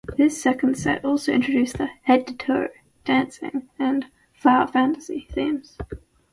This second set also introduced the "Head to Toe", "Dancing", and "Flower Fantasy" themes.